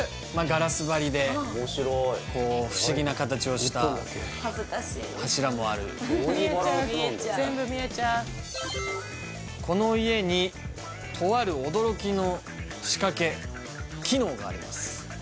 ガラス張りで不思議な形をした恥ずかしい柱もある見えちゃう全部見えちゃうこの家にとある驚きの仕掛け機能があります